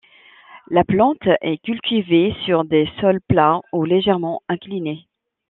La plante est cultivée sur des sols plats ou légèrement inclinés.